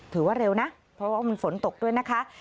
ถือว่าเร็วนะเพราะว่ามันฝนตกด้วยนะคะ